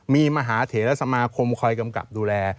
มีมหาเถระสมาคมคอยกำกับดูแล